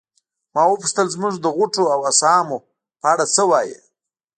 ما وپوښتل زموږ د غوټو او اسامو په اړه څه وایې.